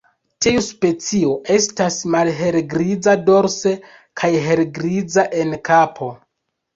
Tiu specio estas malhelgriza dorse kaj helgriza en kapo.